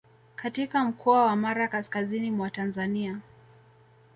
katika mkoa wa Mara kaskazini mwa Tanzania